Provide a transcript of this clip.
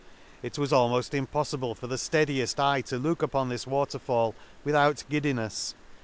— It was almoft impoffible for the fteadieft eye to look upon this waterfall without giddinefs.